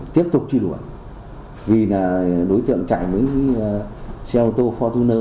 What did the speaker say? tiếp tục truy đuổi vì là đối tượng chạy với xe ô tô fortuner